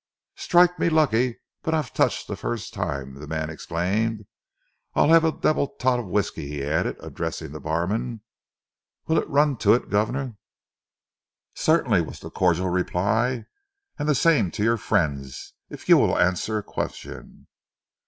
"Strike me lucky but I've touched first time!" the man exclaimed. "I'll 'ave a double tot of whisky," he added, addressing the barman. "Will it run to it, guvnor?" "Certainly," was the cordial reply, "and the same to your friends, if you will answer a question."